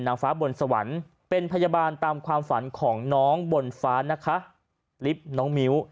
นางฟ้าบนสวรรค์เป็นพยาบาลตามความฝันของน้องบนฟ้านะคะลิฟต์น้องมิ้ว